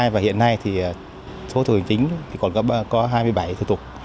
và hiện nay thì số thủ tục hành chính còn có hai mươi bảy thủ tục